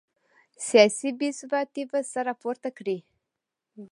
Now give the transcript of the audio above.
سیاسي بې ثباتي به سر راپورته کړي.